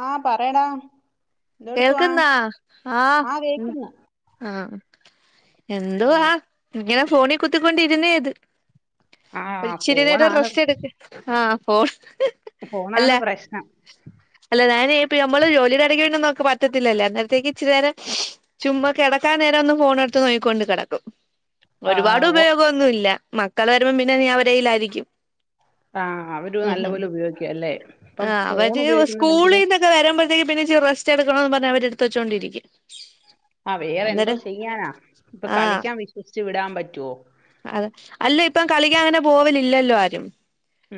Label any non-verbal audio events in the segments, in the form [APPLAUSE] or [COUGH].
ആഹ് പറയെടാ. കേൾക്ക്ന്നാ? ആഹ്. ആഹ് എന്തുവാ ഉം ആ ഇങ്ങനെ ഫോണി കുത്തിക്കൊണ്ടിരുന്നേ ഇത്. ആഹ് ഒരുച്ചിരി നേരം ഫോണാണ് റസ്റ്റ് എടുക്ക് ആഹ് ഫോണ് ഫോണാണ് പ്രശ്നം. അല്ല ഞാനീ ഇപ്പോ നമ്മള് ജോലിടെ ഇടയ്ക്കൊന്നും പറ്റത്തിലല്ലെ അന്നേരത്തേക്ക് ഇച്ചി നേരം ചുമ്മാ കെടക്കാൻ നേരം ഒന്ന് ഫോണ് എടുത്ത് നോക്കിക്കൊണ്ട് കെടക്കും. ഒരുപാട് ആഹ് ഓ- ഉപയോഗന്നുല്ല മക്കൾ വരുമ്പോം പിന്നെ ഇനി അവരെയിലായിരിക്കും. ആഹ് അവരും നല്ലപോലെ ഉപയോഗിക്കും അല്ലേ ഇപ്പം ഫോൺ ഉപയോഗിക്കുന്ന ഭയങ്കരെ വരുമ്പോഴത്തേക്ക പിന്നെച്ചിരി റസ്റ്റ് എടുക്കണോന്ന് പറഞ്ഞ് അവര് എടുത്ത് വച്ചോണ്ടിരിക്കും. ആഹ് വേറെ എന്തോ ചെയ്യാനാ ഇപ്പൊ ആഹ് കളിക്കാൻ വിശ്വസിച്ച് വിടാൻ പറ്റോ അതെ അല്ല ഇപ്പം കളിക്കാൻ അങ്ങനെ പോവലില്ലല്ലോ ആരും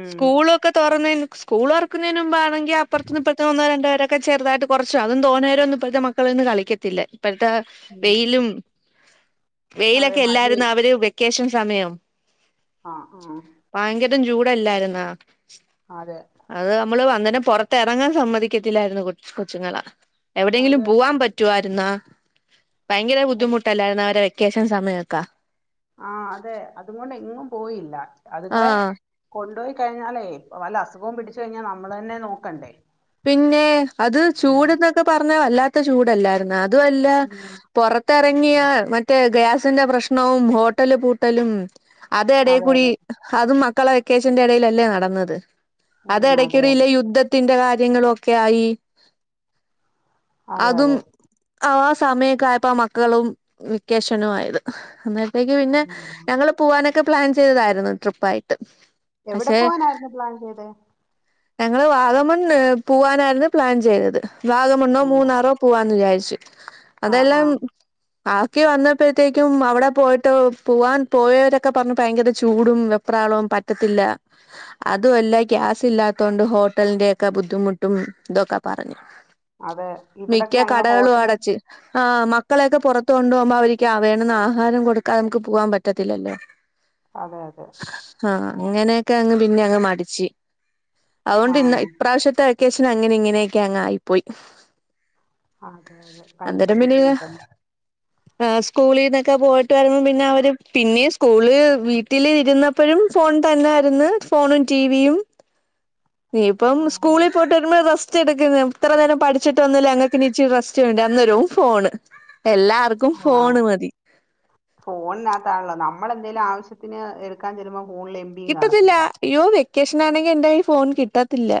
ഉം സ്കൂള് ക്കെ തോറന്ന് സ്കൂളോർക്കുന്നതിന് മുമ്പാണെങ്കി അപ്പർത്തിന്നും ഇപ്പർത്തിന്നും ഒന്നോ രണ്ടോപേരൊക്കെചേർതായ്ട്ട്, കൊറച്ചും അതും തോനെ നേരൊന്നും ഇപ്പോഴത്തെ മക്കളൊന്നും കളിക്കത്തില്ല ഇപ്പോഴത്തെ ഉം വെയിലും, അതെ വെയിലൊക്കെ എല്ലാര്ന്ന് മഴയും അവര് വെക്കേഷൻ സമയം ആഹ് ആഹ് ഭയങ്കരം ചൂടല്ലാര്ന്നാ അതെ. അത് നമ്മള് അന്നേരം പൊറത്ത് എറങ്ങാൻ സമ്മതിക്കത്തില്ലായിരുന്നു കൊ കൊച്ചുങ്ങളെ എവിടേ ങ്കിലും അത് പൂവാം പ റ്റുവായിരുന്നാ ഭയങ്കര അത് ബുദ്ധിമുട്ടല്ലാര്ന്ന അവരെ വെക്കേഷൻ സമയക്കെ. ആഹ് അതെ അതുങ്ങൊണ്ട് എങ്ങും പോയില്ല. അതുങ്ങളെ, ആഹ് കൊണ്ടോയി കഴിഞ്ഞാലേ വല്ല അസുഖവും പിടിച്ചഴിഞ്ഞാൽ നമ്മള്തന്നെ നോക്കണ്ടേ. പിന്നെ അത് ഉം ചൂട് ന്നൊക്കെ പറഞ്ഞ വല്ലാത്ത ചൂടല്ലാര്ന്നാ അതു അല്ല, ഉം. പൊറത്തെറങ്ങിയാ മറ്റേ ഗ്യാസിന്റെ പ്രശ്നവും, ഹോട്ടല് പൂട്ടലും, അതെ എടെകൂടി അതും മക്കളെ വെക്കേഷന്റെ എടെലല്ലേ നടന്നത്. അത് ഉം അതെ അതെ എടക്കിടിയ്ല് യുദ്ധത്തിന്റെ കാര്യങ്ങളൊക്കെ ആയി. അതെ അതും, അതെ ആഹ് സമയൊക്കെ ആയപ്പാ മക്കളും വെക്കേഷനും ആയത് അന്നേ പ്പയെക്ക് പിന്നെ ഉം ഞങ്ങൾ പോവാനൊക്കെ പ്ലാൻ ചെയ്തതായിരുന്നു ട്രിപ്പായിട്ട് എവിടെ പക്ഷെ പോവാനായിരുന്നു പ്ലാൻ ചെയ്തേ ഞങ്ങള് വാഗമണ്ണ് പൂവാനായിരുന്നു പ്ലാൻ ചെയ്തത് വാഗമണ്ണോ ഉം മൂന്നാറോ പൂവാന്ന് വിചാരിച്ചു ആ ആ അതെല്ലാം ആക്കി വന്നപ്പഴത്തേക്കും അവിടെ പോയിട്ട് പൂവാൻ പോയോരൊക്കെ പർഞ്ഞു ഭയങ്കര ചൂടും വെ പ്രാളവും പറ്റത്തില്ല അതുഅല്ല ഗ്യാസ് ഇല്ലാത്തഹ് കൊണ്ട് ഹോട്ടലിന്റെ ഒക്കെ ബുദ്ധിമു ട്ടും ഇതൊക്കെ പറഞ്ഞു അതെ ഇവിടൊക്കെ മിക്ക അങ്ങ് കടകളും ഹോട്ടൽ അടച്ച് ആഹ് മക്കളെയൊക്കെ പൊറത്ത് കൊണ്ടു പോവുമ്പോ അവർക്ക് വേണ് ന്നആഹാരം കൊടുക്കാതെ നമുക്ക്പൂവാൻ പറ്റത്തില്ലല്ലോ അതെ അതെ ആഹ് അങ്ങനെയൊക്കെ അങ്ങ് പിന്നെ അങ്ങ് മടിച്ച് ആ അതുകൊണ്ട് ഇന്ന് ഇപ്രാവശ്യത്തെ വെക്കേഷന് അങ്ങനെ ഇങ്ങനെയൊക്കെ അങ്ങ് ആയിപ്പോയി അതെ അതെ ഭയങ്കര ബുദ്ധിമുട്ടന്നെ അഹ് സ്കൂളിന്നെക്കെ പോയിട്ട് വരുമ്പോം പിന്നെ അവര് പിന്നേം സ്കൂൾള് വീ വീട്ടില് ഇരുന്നപ്പോഴും ഫോൺ തന്നായിര്ന്നു ഫോണും ടിവിയും [INAUDIBLE] നീ ഇപ്പം സ്കൂളി ട്ടെരുമ്പം റസ്റ്റ് എട്ക്ക്ന്ന് ഇത്ര നേരം പഠിച്ചിട്ട് വന്നല്ലേ അങ്ങക്ക് ഇനി ഇീച്ചിരി റെസ്റ്റ് വേണ്ടെ അന്നേരവും ഫോണ് എല്ലാർക്കും ആ ഫോണ് മതി ഫോണിനകത്താണല്ലോ നമ്മളെന്തെങ്കിലും ആവശ്യത്തിന് എടുക്കാൻ ചെല്ലുമ്പോ ഫോണില് എ കിട്ടത്തില്ല അയ്യോ വെക്കേഷനാണെങ്കിൽ എന്റെ കയ്യി ഫോണ് കിട്ടത്തില്ല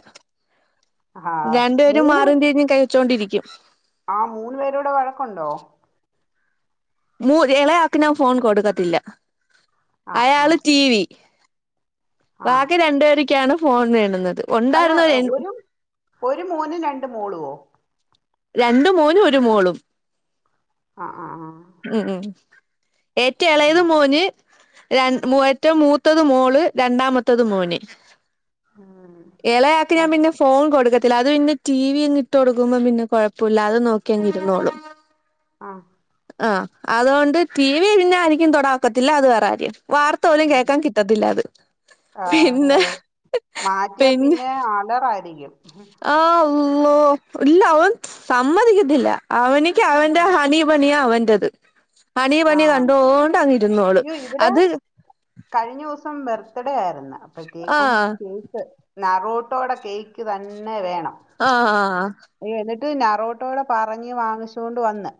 ആ രണ്ട്പേരും മാറിം തിരിഞ്ഞ് കയ് വെച്ചോണ്ടിരിക്കും ആഹ് മൂന്ന് പേരൂടെ വഴക്കുണ്ടോ മൂ ഇളയാക്ക് ഞാൻ ഫോൺ കൊടുക്കത്തില്ല ആ ആ അയാള് ടി വി ആ ബാക്കി രണ്ടുപേര്ക്കാണ് ഫോൺ വേണ്ന്നത് ഉണ്ടായിരുന്നതേനു ഒര് മോനും രണ്ട് മോളുവോ രണ്ട് മോനും ഒരു മോളും ആഹ് ആഹ് ആഹ് ഉം ഉം ഏറ്റ എളയത് മോന് രൺ ഏറ്റവും മൂത്തത് മോള് രണ്ടാമത്തത് മോന് ഉം. ഇളയാക്കി ആ ഞാൻ പിന്നെ ഫോൺ കൊടുക്കത്തില്ല അത് പിന്നെ ടി വി ഇങ് ഇട്ട് കൊടുക്കുമ്പോ പിന്നെ കുഴപ്പമില്ലാതെ നോക്കിയി ഇരുന്നോളും ആഹ് ആഹ് അതുകൊണ്ട് ടി വി പിന്നെ ആർക്കും തൊടാക്കത്തില്ല അത് വേറെകാര്യം വാർ ത്തോലും കേക്കാൻ കിട്ടത്തില്ല അത് ആ, അതെ പിന്നെ അതെ പിന്നെ [UNINTELLIGIBLE] ഓഹ് വൂ ഇല്ല അവൻ സമ്മതിക്കത്തില്ല അവനക്ക് അവൻന്റെ ഹണി ബണിയാ അവൻറത് ഹണി ബണി ആ കണ്ടോണ്ടങ്ങിരുന്നോളു അയ്യോ ഇവിടെ അത് കഴിഞ്ഞ ദിവസം ബെർത്ത്ഡേ ആയിരുന്നു അപ്പോഴത്തേക്കും ആഹ് കേക്ക് നറോട്ടോയുടെ കേക്ക് തന്നെ വേണം ആഹ് ആഹ് ആഹ് എന്നിട്ട് നറോട്ടോടെ പറഞ് വാങ്ങിച്ചു കൊണ്ട് വന്ന്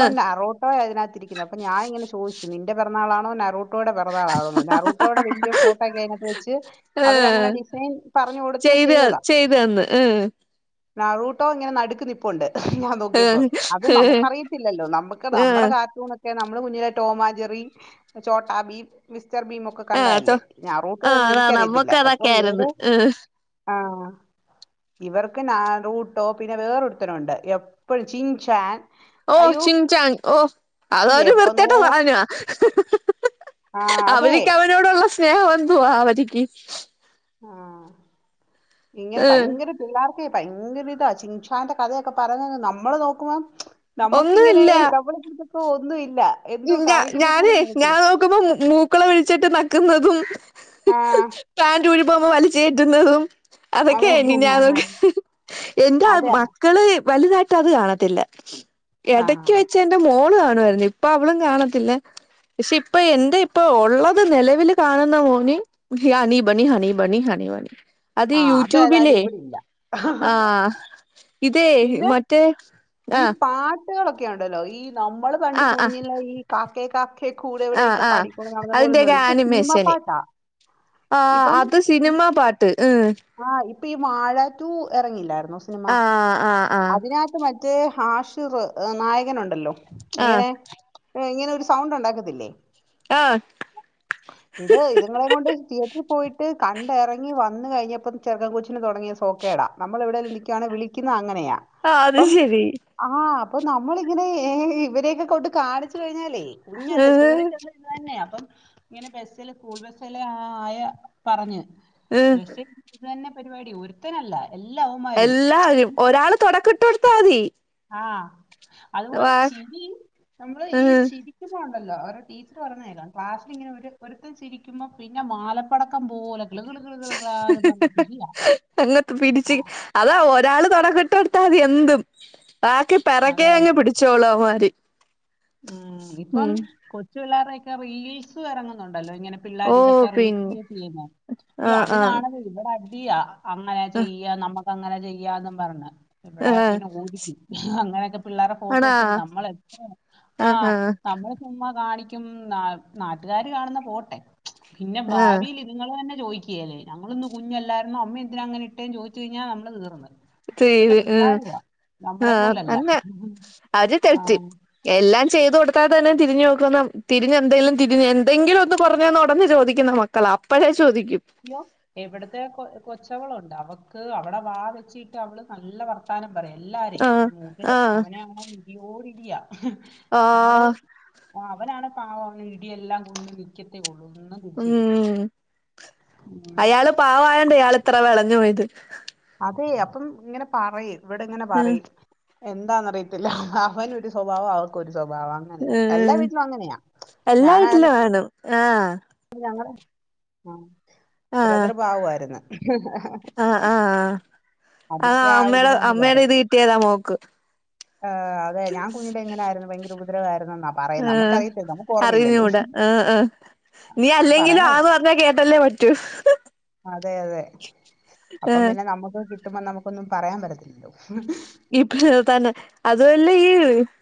ഏഹ് നറോട്ടോ അതിനകത്ത് തിരിക്കുന്നെ അപ്പം ഞാങ്ങനെ ചോദിച്ചു നിന്റെ പിറന്നാളോ നറോ ട്ടോയുടെ പെരുന്നാളോ അല്ലെ നറൂട്ടോയുടെ വലിയ ഫോട്ടോ ഒക്കെ അതിനകത്ത് വെച്ച് ഏഹ് അവരങ്ങനെ ഡിസൈൻ പറഞ്ഞു കൊടുത്ത് ചെയ്തതാ ന്ന് നറൂട്ടോ ഇങ്ങനെ നടുക്കുന്ന നിപ്പുണ്ട് ഞാ നോക്കിയപ്പോ ഉം അത് ഉം നമുക്കറിയത്തില്ലല്ലോ നമുക്ക് നമ്മുടെ ആഹ് കാ [UNINTELLIGIBLE] നമ്മളെ കുഞ്ഞിലെ ടോമാഞ്ചറി ചോട്ടാബി മിസ്റ്റർ ഭീമൊക്കെ ആഹ് തൊ കണ്ടല്ലേ ഞാൻ ആഹ് നറൂട്ടന്ന് അതാ എനിക്കറിയത്തില്ല നമ്മക്ക് അപ്പൊ അതൊക്കെ ആയിരുന്നു ഇവര് ഉം ആഹ് ഇവർക്ക് നാറൂട്ടോ പിന്നെ വേറൊരുത്തനുണ്ട് എപ്പോഴും ചിൻ ചാൻ ഓഹ് ചിങ്ങ്ചാങ് ഓഹ് അതൊരു എപ്പ നോ വൃത്തികെട്ട സാധനമാ ആ അതെ അവരിക്ക് അവനോടുള്ള സ്നേഹം എന്തുവാ അവരിക്ക് ആഹ് ഇങ്ങനെ ഉം ഭയങ്കര പില്ലാർക്കേ ഭയങ്കര ഇതാ ചിൻഷാന്റെ കഥയൊക്കെ പറഞ്ഞ നമ്മള് നോക്കുമ്പം നമ്മുക്കിങ്ങനെ ഒന്നുവില്ല ഇള ഇതൊക്കെ ഒന്നും ഇല്ല എന്തോ ഞ ഞാനേ കാണിക്കുന്നത് ഞാൻ നോക്കുമ്പോ മൂക്കള ഒഴിച്ചിട്ട് നക്കുന്നതും ആഹ് പാൻ്റൂരിപോകുമ്പോ വലിച്ചു കേറ്റുന്നതും അതൊക്കെ അതെ [UNINTELLIGIBLE] എന്റാ അതെ ത്മ ക്കള് വലുതായിട്ട് അത് കാണത്തില്ല ആ ഇടക്ക് വെച്ച എന്റെ മോള് കാണുആയിരുന്നു പ്പ അവളും കാണത്തില്ല പക്ഷെ ഇപ്പൊ എന്റെ ഇപ്പ ഉള്ളത് നിലവിൽ കാണുന്ന മോനി ഹ്യ honey bunny honey bunny honey bunny അത് ആ അതേതായാലും യൂട്യൂബിലേ ഇവിടെ ഇല്ല ആഹ് ഇതേ പിന്നെ മറ്റേ ഈ ആ പാട്ടുകളൊക്കെ ഉണ്ടല്ലോ ഈ നമ്മള് കണ്ട് ആ ആ കുഞ്ഞില ഈ കാക്കേ കാക്കെ എഹ് കൂടെ ആ ആ എവിടെയൊക്കെ ആ പഠിക്കൊ നടന്ന പോലെന്ന അതിന്റെയൊക്കെ മേല്ല ഇപ്പൊ സിനിമ ആനിമേഷന് പാട്ടാ ആഹ് അത് സിനിമാ പാട്ട് ഉം ആഹ് ഇപ്പൊ ഈ വാഴാറ്റു ഇറങ്ങില്ലായിരുന്നോ സിനിമ ആഹ് ആഹ് ആഹ് അതിനകത്ത് മ റ്റേ ഹാഷിറ് നായകനുണ്ടല്ലോ ആഹ് ഇങ്ങനെ ഇങ്ങനെ ഒരു സൗണ്ട് ഉണ്ടാക്കത്തില്ലേ ആഹ് [INAUDIBLE] ഇത് ഇതുങ്ങളെ കൊണ്ട് തിയേറ്ററിൽ പോയിട്ട് കണ്ടിറങ്ങി വന്ന കഴിഞ്ഞപ്പം ചെറുക്കൻ കൊച്ചിന് തുടങ്ങിയ സോക്കേടാ നമ്മള് എവിടേലും നിക്കുവാണെ വിളിക്കുന്ന അങ്ങനെയാ ആ അത് അപ്പം ശരി ആഹ് അപ്പൊ നമ്മളിങ്ങനെ ഇവരൊക്കെ കൊണ്ട് കാണിച്ചു കഴിഞ്ഞാലേ കുഞ്ഞല്ലേ ഏഹ് സ്കൂളിൽ ചെന്ന് ഇത് തന്നെ അപ്പം ഇങ്ങനെ ബസ്സില് സ്കൂൾ ബസ്സിലെ ആയ പറഞ്ഞഞ് ഏഹ് ബസ്സ് ഇത് തന്നെ പരിപാടി ഒരുത്തനല്ല എല്ലാവൻ എല്ലാവരും ഒരാള് തുടക്കം ഇട്ട് കൊടുത്താൽ മതി ആഹ് അതുപോലെ വാ ചിരി നമ്മള് ഈ ഏഹ് ചിരി ഉണ്ടല്ലോ ഒരു ടീച്ചർ പറഞ്ഞേല്ലാം ക്ലാസ്സിൽ ഇങ്ങനെ ഒരു ഒരുത്തൻ ചിരിക്കുമ്പോ പിന്നെ മാലപ്പടക്കം പോലൊ ഗളുകള് [UNINTELLIGIBLE] പറഞാ ചിരിയാ അങ്ങക്ക് പിടിച്ച് അതാ ഒരാള് തുടക്കിട്ട കൊടുത്താൽ മതി എന്തും ബാക്കി പിറകേ അതെ അങ്ങ് പിടിച്ചോളും അവൻമാര് ഉം ഇപ്പം കൊച്ചു പിള്ളേരുടെയൊക്കെ റീൽസും ഇറങ്ങുന്നുണ്ടല്ലോ ഇങ്ങനെ ഓ പിള്ളേർ ഇതൊക്കെ പിന്നെ റീക്രിയേറ്റ് ചെയ്യുന്ന അയ്യോ ആഹ് അത് ആഹ് കാണുമ്പം ഇവിടെ അടിയാ അങ്ങനെ ചെയ്യാ നമ്മുക്ക് അങ്ങനെ ചെയ്യാന്നും പറഞ്ഞ് ഇവിടെ ആഹ് ആഹ് പിന്നെ ഓടി പിടിക്കും അങ്ങനെയൊക്കെ പിള്ളേരെ ഫോട്ടോ ആണാ എടുത്തിട്ട് നമ്മളെത്ര ആഹ് നമ്മള് ചുമ്മാ കാണിക്കും ന നാട്ടുകാര് കാണുന്നെ പോട്ടെ പിന്നെ ആഹ് ഭാവില് നിങ്ങള് തന്നെ ചോദിക്കുകേല്ലേ ഞങ്ങളന്ന് കുഞ്ഞല്ലാരുന്നേ അമ്മ എന്തിന അങ്ങനെ ഇട്ടേ ചോദിച്ചു കഴിഞ്ഞാ നമ്മള് തീർന്നു ചെയ്ത് ഉം ആഹ് പോലല്ല തന്നെഅത് ആ തെറ്റ് എല്ലാം ചെയ്തു കൊടുത്താ തന്നെ തിരിഞ്ഞു നോക്കുന്ന തിരിഞ്ഞ എന്തങ്കലും തിരി എന്തെങ്കിലും ഒന്ന് പറഞ്ഞന്ന് ഉടന്ന് ചോദിക്കുന്ന മക്ക് ക്കളാ അപ്പഴേ ചോദിക്കും അയ്യോ എവിടുത്തെ കൊ കൊച്ചവളുണ്ട് അവക്ക് അവിടെ വാ വെച്ചിട്ട് അവള് നല്ല വർത്ത ത്താനം പറയും എല്ലാരേ ആഹ് മൂത്ത ചേപ്പ ആഹ് അവന ആണെ ഇടിയോടി ഇടിയ ഞങ്ങള് ആഹ് ഓ അവനാണ് പാവ ഇടിയെല്ലാം കൊണ്ട് നിക്കത്തേ ഒള്ളൂ ഒന്നും തിരിച്ച് ചെയ്യത്തില്ല ഉം ഉം. അയാള് പാവായോണ്ട് ഇയാള് ഇത്ര വിളഞ്ഞു പോയത് അതെ അപ്പം ഇങ്ങനെ പറയും ഇവിടെ ഇങ്ങനെ ഉം പറയും എന്താന്നറിയത്തില്ല അവന് ഒരു സ്വഭാവം അവക്കൊ ഒരു സ്വഭാവമാണ് ഉം എല്ലാ വീട്ടിലും വേണം ആഹ് അപ്പം ഞങ്ങളെ ആഹ് ആഹ് ബ്രദർ പാവം ആയിരുന്നു ആ അമ്മേയുടെ അമ്മയുടെ ഇത് കിട്ടിയതാ മോക്ക് ആ അതെ ഞാൻ കുഞ്ഞിൽ ഇങ്ങനെയായിരുന്നു ഭയങ്കരം ഉപദ്രവമായിരുന്നു അ ആ അറിഞ്ഞൂട ആഹ് ആഹ് നീ അല്ലെങ്കിലും പറയണ ആന്ന് പറഞ്ഞാ കേട്ടല്ലേ പറ്റൂ ഏഹ് നമ്മുക്ക് കി കിട്ടുമ്പോ നമുക്കൊന്നും പറയാൻ പറ്റത്തില്ലോ ഇപ്പം ഇത് തന്നെ അതല്ലെ ഈ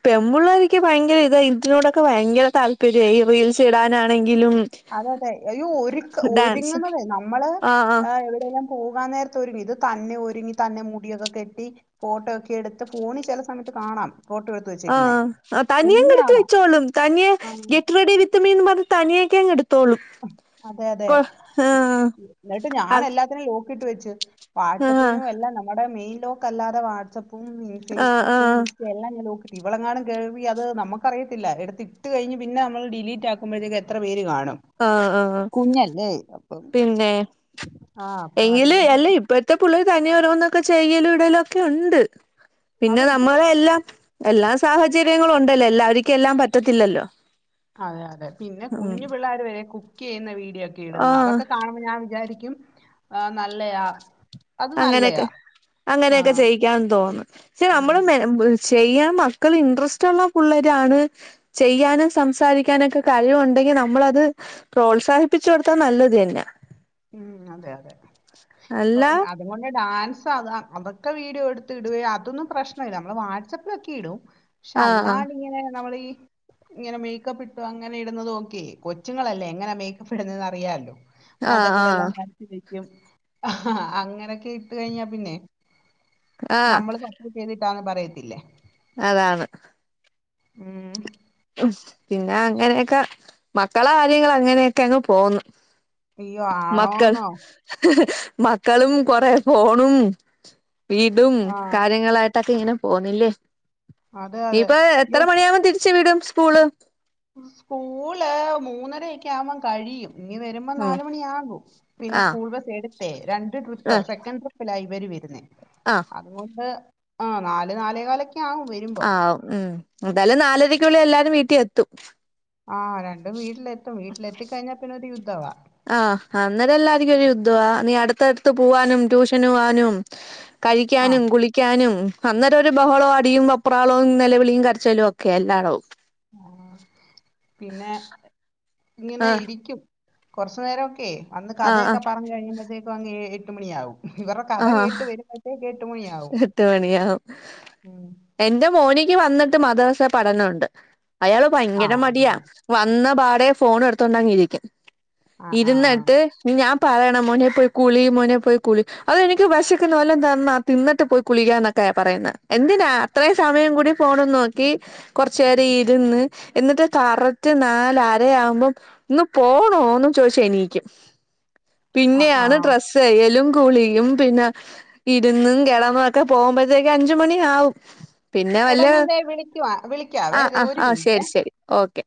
പെമ്പുള്ളാരിക്ക് ഭയങ്കരം ഇത ഇരുട്ടിനോടൊക്കെ ഭയങ്കരം താല്പര്യം [UNINTELLIGIBLE] റീയിൽസ് ഇടാനാണെങ്കിലും അതെ അതെ ഈ ഒരു ഡാൻസ് ഒരുങ്ങുന്നതേ നമ്മള് ആ ആ എവിടെയെല്ലാം പോകാൻ നേരത്തെ ഒരുങ്ങി ഇത് തന്നെ ഒരുങ്ങി തന്നെ മുടിയൊക്കെ കെട്ടി ഫോട്ടോ ഒക്കെ എടുത്ത് ഫോണ് ചില സമയത്ത് കാണാം ഫോട്ടോ എടു ആഹ് ആ തനിയെ ഇങ്ങെടുത്ത് വെച്ചോളും, തനിയെ ആഹ് ഗെറ്റ്റെഡി വിത്ത് മീ ന്നും പറഞ്ഞ് തനിയെക്കങ്ങെട് തനിയൊക്കെെടു തോളും. അതെ അതെ എന്നിട്ട് [UNINTELLIGIBLE] [UNINTELLIGIBLE] ലോക്കിട്ട് വെച്ച്, വാട്സപ്പിനും അല്ല നമ്മുടെ മെയിൻ ലോക്കല്ലാതെ വാട്സപ്പും ആഹ് ഫെയ്സ്ബുക്കും ആഹ് എല്ലാം ഞാൻ ലോക്ക്ട്ട്. ഇവളെങ്ങാണും കേറി അത് നമുക്കറിയത്തില്ല എടുത്ത് ഇട്ട് കഴിഞ്ഞ് പിന്നെ നമ്മൾ ഡിലീറ്റ് ആക് ക്കുമ്പഴത്തേക്ക് എത്ര പേര് കാണും ആഹ് ആഹ് ആഹ്. കുഞ്ഞല്ലേ അപ്പം പിന്നെ ആ അപ്പൊ എങ്കില് അതുകൊണ്ട് അല്ലെയ് ഇപ്പഴ്ത്തെ പിള്ളേര് തനിയെ ഓരോന്നൊക്കെ ചെയ്യലും ഇടലുഒക്കെ ഉണ്ട്‌, അത് പിന്നെ ഇപ്പം നമ്മള് എല്ലാം എല്ലാ സാഹചര്യങ്ങളും ഉണ്ടല്ലേ, എല്ലാവരിക്കും എല്ലാം പറ്റത്തില്ലല്ലോ. അതെ അതെ. പിന്നെ ഉം കുഞ്ഞു പിള്ളാര് വരേ കുക്കെയ്യുന്ന വീഡിയോക്കെ ഇടുന്നത്. ആഹ് അതൊക്കെ കാണുമ്പം ഞാൻ വിചാരിക്കും ആ നല്ലയാ അത് അങ്ങനെയെക്കെ നല്ലയാ ആ അങ്ങനെയെക്കെ ചെയ്യിക്കാന്ന് തോന്നും, പക്ഷെ ഉം, നമ്മള് [UNINTELLIGIBLE] ചെയ്യാൻ മക്കള് ഇൻട്രസ്റ്റുള്ള പുള്ളേരാണ് ചെയ്യാനും സംസാരിക്കാനൊക്കെ കഴിവുണ്ടെങ്കി നമ്മളത് പ്രോത്സാഹിപ്പിച്ചു കൊടുത്താ നല്ലത് തന്ന്യാ. ഉം അതെ അതെ, അല്ല [UNINTELLIGIBLE] മോന്റെ ഡാൻസത് അത് അതൊക്കെ വീഡിയോ എടുത്ത് ഇടുകയും, അതൊന്നും പ്രശ്നല്ല നമ്മള് വാട്സപ്പിലൊക്കെ ഇടും. പക്ഷെ ആഹ് അല്ലാണ്ടിങ്ങനെ നമ്മളീ ഇങ്ങനെ മേക്കപ്പ് ഇട്ടു അങ്ങനെ ഇടുന്നതോക്കെ, കൊച്ചുങ്ങളല്ലേ എങ്ങനെ മേക്കപ്പ് ഇടുന്നത് ന്നറിയാല്ലൊ. അറിയാാലോ ആഹ് ആഹ് മോന്തേക്കൂടെല്ലാം വരച്ച് വെയ്ക്കും. അങ്ങനൊക്കെ ഇട്ട് കഴിഞ്ഞാ പിന്നെ ആഹ് നമ്മള് [UNINTELLIGIBLE] ചെയ്തിട്ടാന്ന് പറയത്തില്ലേ അതാണ്. ഉം പിന്നാ അങ്ങനെയൊക്കെ, മക്കളെ കാര്യങ്ങള് അങ്ങനെയൊക്കെ അങ്ങ് പോവ്ന്ന്. അയ്യോ മക്കൾ, ആണോന്നോ മക്കളും കൊറേ ഫോണും വീടും ആഹ് കാര്യങ്ങളായിട്ടൊക്കെ ഇങ്ങനെ പോവ്ന്നില്ലേ. അതെ അതെ നീയിപ്പ എത്ര യ്യോ മണിയാവുമ്പോ തിര് ച്ച് വിടും സ്കൂള് സ്കൂള് മൂന്നരെയെക്കെയാവുമ്പം കഴിയും. ഇങ്ങ് വെരുമ്പം ഉം നാല് മണിയാകും. പിന്നെ ആഹ് സ്കൂൾ ബസ് എടുത്തേ രണ്ട് ണ്ട് ട്രിപ്പ്, ആഹ് സെക്കൻഡ് ട്രിപ്പിലാ ഇവര് വെരുന്നേ. ആഹ് അതുകൊണ്ട് ആഹ് നാല് നാലേ കാലൊക്കെ ആവും വെ ആഹ് ഉം. എന്തായാലും നാലരക്കുള്ളിൽ എല്ലാരും വീട്ടി എത്തും. ആഹ് രണ്ടും വീട്ടിലെത്തും, വീട്ടിലെത്തിക്കഴിഞ്ഞാ പിന്നൊര് യുദ്ധവാ. ആഹ് അന്നേരം എല്ലാർക്കും ഒരു യുദ്ധ വാ. നീ അടുത്തടുത്ത് പോവാനും ട്യൂഷന് പോവാനും കഴിക്കാനും ആഹ് കുളി ക്കാനും അന്നേരം ഒരു ബഹളവും അടിയും വെപ്രാളവും നെലവിളിയും കരച്ചിലും ഒക്കെയാ എല്ലാടവും പിന്നെ ഇങ്ങനെ ആഹ് ഇരിയ്ക്കും. കൊറച്ചു നേരമൊക്കെ, അന്ന് ആഹ് കഥയൊക്കെ ആഹ് പറഞ്ഞു കഴിയുമ്പഴത്തേക്കു അങ് ഏ എട്ട് മണിയാവും. ഇവരെ ആഹ് കഥകേട്ട് വരുമ്പഴത്തേക്ക് എട്ടുമണിയാവും. എട്ട് മണിയാവും എന്റെ മോനിക്ക് വന്നിട്ട് മദ്രസ പഠന ഉണ്ട്. അയാള് ആ ഭയങ്കര മടിയാ. ആ വന്ന പാടേ ഫോണു എടുത്തോണ്ടങ്ങ് ഇരിക്കും. ആ ഇരുന്നിട്ട് ഇനി ഞാൻ പറയണം മോനെ പോയി കുളീ, മോനെ പോയി കുളി അതെ എനിക്ക് വെശക്ക്ണു, വല്ലോം തന്നാ തിന്നിട്ട് പോയി കുളിക്കാന്നൊക്കേ പറയുന്നെ. എന്തിനാ ഇത്രേം സമയം കൂടി ഫോണും നോക്കി കൊറച്ചേരം ഇരുന്ന്, എന്നിട്ട് കറക്റ്റ് നാലര ആവുമ്പം ഇന്ന് പോണോന്നും ചോദിച്ച് എണീക്കും ആ ആ ആ. പിന്നെയാണ് ഡ്രസ്സ് കഴുകലും- കുളിയും പിന്നെ ഇരുന്നും കെടന്നും ഒക്കെ പോകുമ്പോഴത്തേക്ക് അഞ്ചു മണി ആവും പിന്നെ എടാ വല്യ ഞാൻ ദേ വിളിക്കുവാ വിളിക്കാവേ ആഹ് അതെ ആഹ് ഒരു ആഹ് മിനിറ്റ് ശരി ശരി ഓക്കെ